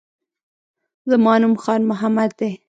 زما نوم خان محمد دی